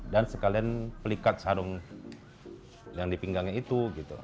dan sekalian pelikat sarung yang dipinggangnya itu